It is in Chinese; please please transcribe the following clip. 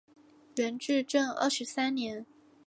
元至正二十三年。